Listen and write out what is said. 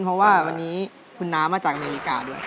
เพราะว่าวันนี้คุณน้ามาจากอเมริกาด้วย